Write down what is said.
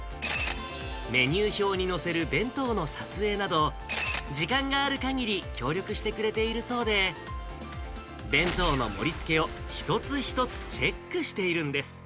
メニュー表に載せる弁当の撮影など、時間があるかぎり、協力してくれているそうで、弁当の盛りつけを一つ一つチェックしているんです。